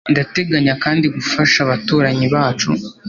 Ndateganya kandi gufasha abaturanyi bacu